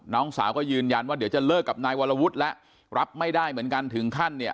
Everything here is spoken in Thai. น้องสาวก็ยืนยันว่าเดี๋ยวจะเลิกกับนายวรวุฒิแล้วรับไม่ได้เหมือนกันถึงขั้นเนี่ย